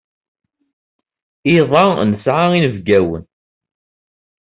Iḍ-a nesɛa inebgawen.